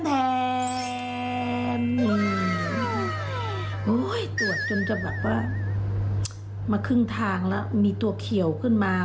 ตรวจจนจะแบบว่ามาครึ่งทางแล้วมีตัวเขียวขึ้นมา